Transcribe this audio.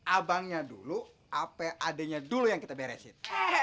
abangnya dulu apa adeknya dulu yang kita beresin